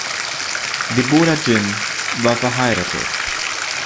Deborah Jin war verheiratet.